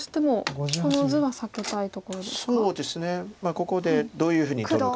ここでどういうふうに取るか。